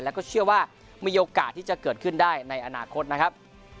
แล้วก็เชื่อว่ามีโอกาสที่จะเกิดขึ้นได้ในอนาคตนะครับ